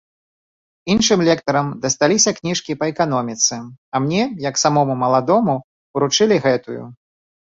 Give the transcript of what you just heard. Іншым лектарам дасталіся кніжкі па эканоміцы, а мне, як самому маладому, уручылі гэтую.